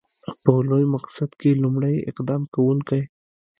په لوی مقصد کې لومړی اقدام کوونکی.